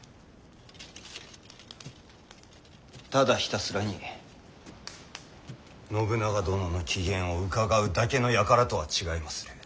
ただひたすらに信長殿の機嫌を伺うだけの輩とは違いまする。